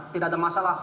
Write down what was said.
tidak ada masalah